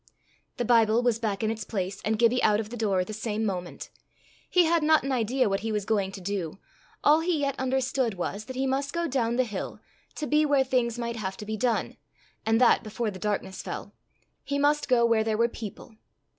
The Bible was back in its place, and Gibbie out of the door the same moment. He had not an idea what he was going to do. All he yet understood was, that he must go down the hill, to be where things might have to be done and that before the darkness fell. He must go where there were people.